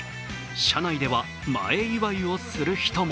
車内では前祝いをする人も。